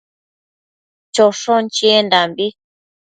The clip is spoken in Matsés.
choshon chiendambi